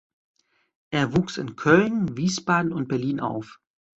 Er wuchs in Köln, Wiesbaden und Berlin auf.